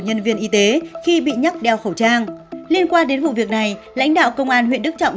nhân viên y tế khi bị nhắc đeo khẩu trang liên quan đến vụ việc này lãnh đạo công an huyện đức trọng